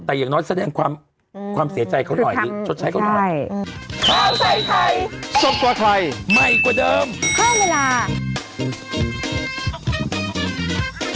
แต่อย่างน้อยแสดงความความเสียใจเขาหน่อยชดใช้เขาหน่อย